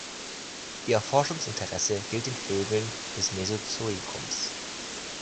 Ihr Forschungsinteresse gilt den Vögeln des Mesozoikums.